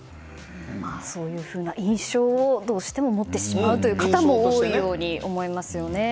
そういうふうな印象をどうしても持ってしまうという方も多いように思いますよね。